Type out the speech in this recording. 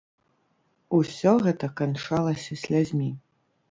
Усё гэта канчалася слязьмі.